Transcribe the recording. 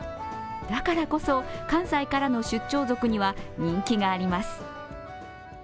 だからこそ関西からの出張族には人気があります。